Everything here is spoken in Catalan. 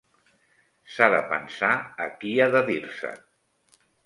S'ha de pensar a qui ha de dir-se.